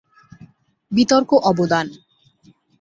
বিতর্ক অবদান।